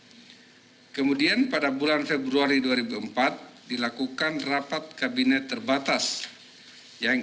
hai kemudian pada bulan februari dua ribu empat dilakukan rapat kabinet terbatas yang